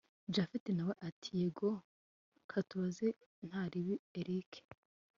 japhet nawe ati yego katubaze ntaribi erick